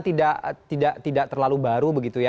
tidak terlalu baru begitu ya